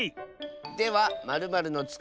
では○○のつく